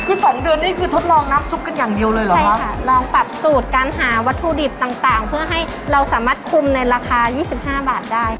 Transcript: คือสองเดือนนี่คือทดลองน้ำซุปกันอย่างเดียวเลยเหรอใช่ค่ะลองปรับสูตรการหาวัตถุดิบต่างเพื่อให้เราสามารถคุมในราคา๒๕บาทได้